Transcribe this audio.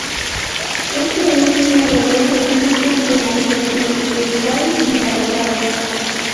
Este es un aderezo típico en Argentina, Uruguay y Paraguay.